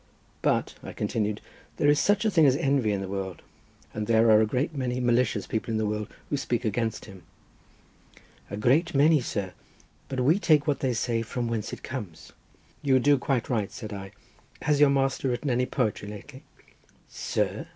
But," I continued, "there is such a thing as envy in the world, and there are a great many malicious people in the world, who speak against him." "A great many, sir, but we take what they say from whence it comes." "You do quite right," said I. "Has your master written any poetry lately?" "Sir!"